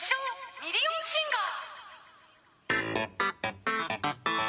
ミリオンシンガー